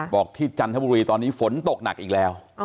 บอกที่จันทบุรีตอนนี้ฝนตกหนักอีกแล้ว